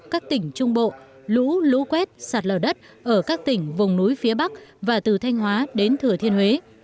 các tỉnh trung bộ lũ lũ quét sạt lở đất ở các tỉnh vùng núi phía bắc và từ thanh hóa đến thừa thiên huế